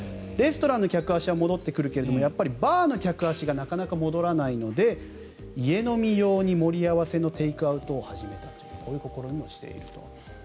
レストランの客足は戻ってくるけれどバーの客足がなかなか戻らないので家飲み用に盛り合わせのテイクアウトを始めたとこういう試みもしていると。